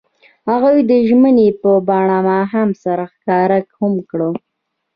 هغوی د ژمنې په بڼه ماښام سره ښکاره هم کړه.